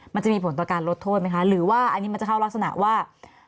มันจะมีผลต่อการลดโทษไหมคะหรือว่าอันนี้มันจะเข้ารักษณะว่า